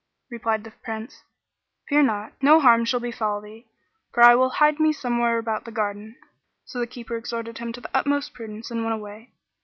Replied the Prince, "Fear not, no harm shall befal thee; for I will hide me somewhere about the garden." So the Keeper exhorted him to the utmost prudence and went away.